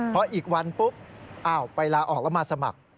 พออีกวันปุ๊บไปลาออกแล้วมาสมัคร